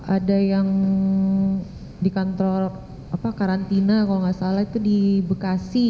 ada yang di kantor karantina kalau nggak salah itu di bekasi